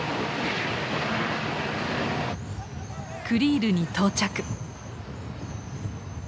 クリールに到着。